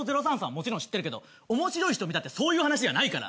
もちろん知ってるけど面白い人見たってそういう話じゃないから。